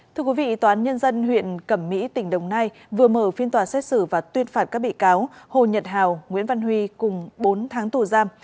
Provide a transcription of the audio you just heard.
thưa quý vị tòa án nhân dân huyện cẩm mỹ tỉnh đồng nai vừa mở phiên tòa xét xử và tuyên phạt các bị cáo hồ nhật hào nguyễn văn huy cùng bốn tháng tù giam